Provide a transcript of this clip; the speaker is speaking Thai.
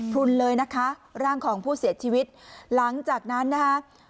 รุนเลยนะคะร่างของผู้เสียชีวิตหลังจากนั้นนะคะ